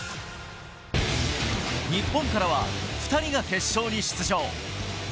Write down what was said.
日本からは２人が決勝に出場。